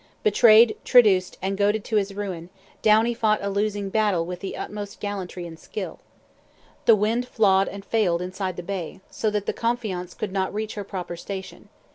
Betrayed, traduced, and goaded to his ruin, Downie fought a losing battle with the utmost gallantry and skill. The wind flawed and failed inside the bay, so that the Confiance could not reach her proper station.